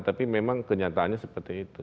tapi memang kenyataannya seperti itu